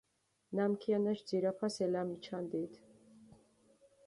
ნამ ქიანაშ ძირაფას ელამიჩანდით?